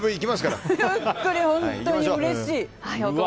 本当にうれしい。